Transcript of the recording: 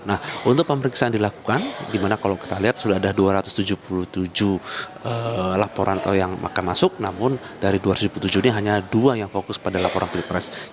nah untuk pemeriksaan dilakukan di mana kalau kita lihat sudah ada dua ratus tujuh puluh tujuh laporan atau yang akan masuk namun dari dua ratus tujuh puluh tujuh ini hanya dua yang fokus pada laporan pilpres